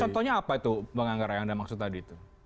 contohnya apa itu bang anggara yang anda maksud tadi itu